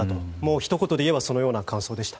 ひと言でいえばそのような感想でした。